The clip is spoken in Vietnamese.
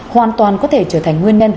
hoàn toàn có thể trở thành nguyên nhân